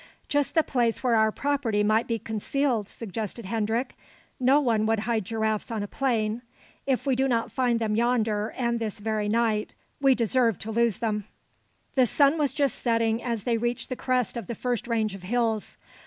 "Just the place where our property might be concealed," suggested Hendrik. "No one would hide giraffes on a plain. If we do not find them yonder, and this very night, we deserve to lose them." The sun was just setting as they reached the crest of the first range of hills.